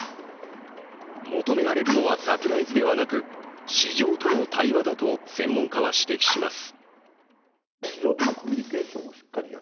求められるのはサプライズではなく市場との対話だと専門家は指摘します。